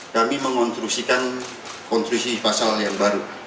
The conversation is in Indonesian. kami mengonstruksikan konstruksi pasal yang baru